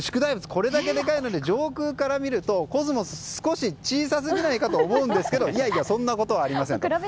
これだけ大きいので上空から見ると、コスモス小さすぎないかと思いますがいやいやそんなことはありません。